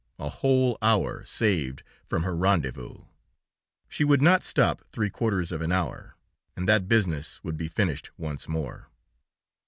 a whole hour saved from her rendez vous! She would not stop three quarters of an hour, and that business would be finished once more.